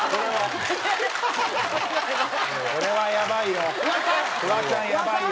これはやばいよ。